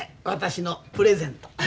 私のプレゼント。